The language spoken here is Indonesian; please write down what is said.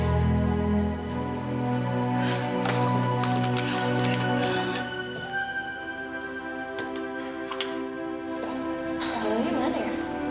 ya nanti kok udah mulai gimana